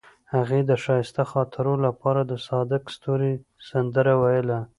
هغې د ښایسته خاطرو لپاره د صادق ستوري سندره ویله.